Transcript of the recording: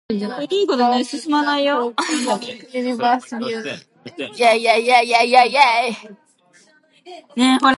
He attended Saffron Walden Grammar School.